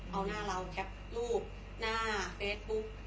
เอาหน้าเราแคปรูปหน้าเฟซบุ๊ก